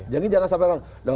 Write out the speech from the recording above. jangan sampai orang